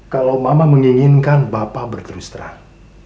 kalau mama menginginkan bapak berterus terang